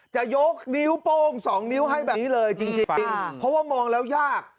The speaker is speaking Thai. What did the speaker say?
จะยกนิ้วโป้งสองนิ้วให้แบบนี้เลยจริงเพราะว่ามองแล้วยาก